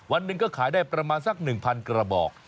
วันหนึ่งก็ขายได้ประมาณสัก๑๐๐กระบอก